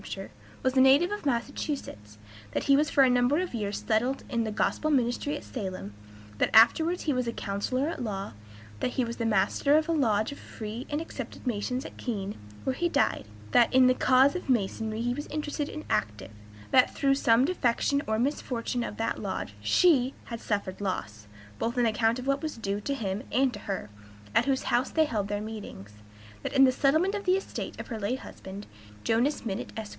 H., was a native of Massachusetts; that he was for a number of years settled in the gospel ministry at Salem; that afterwards he was a counselor at law; that he was Master of a Lodge of Free and Accepted Masons at Keene, where he died; that in the cause of Masonry he was interested and active; that through some defection or misfortune of that Lodge she has suffered loss, both on account of what was due to him and to her, at whose house they held their meetings; that in the settlement of the estate of her late husband, Jonas Minott, Esq.